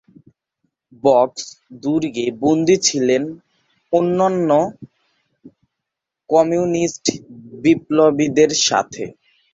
বক্সা দুর্গে বন্দী ছিলেন অন্যান্য কমিউনিস্ট বিপ্লবীদের সাথে।